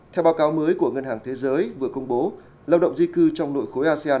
theo báo cáo mới của ngân hàng thế giới vừa công bố lao động di cư trong nội khối asean